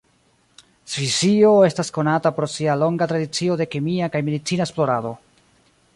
Svisio estas konata pro sia longa tradicio de kemia kaj medicina esplorado.